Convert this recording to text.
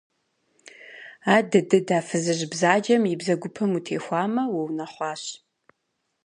Адыдыд, а фызыжь бзаджэм и бзэгупэм утехуамэ, уунэхъуащ.